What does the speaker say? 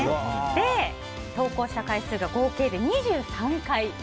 投稿した回数が合計で２３回。